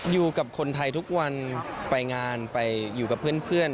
อยู่กับคนไทยทุกวันไปงานไปอยู่กับเพื่อน